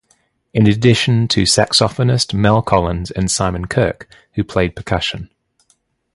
In addition to saxophonist Mel Collins and Simon Kirke, who played percussion.